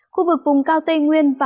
khu vực vùng cao tây nguyên